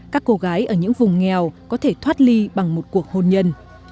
các cô gái ở những vùng nghèo có thể thoát ly bằng một cuộc hôn nhân